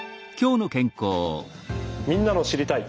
みんなの「知りたい！」